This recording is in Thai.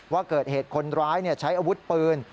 ว่าเกิดเหตุคนร้ายใช้อาวุธปืน